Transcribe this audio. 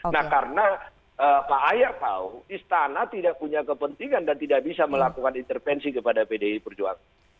nah karena pak ahyar tahu istana tidak punya kepentingan dan tidak bisa melakukan intervensi kepada pdi perjuangan